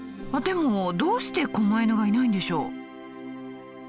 でもどうしてこま犬がいないんでしょう？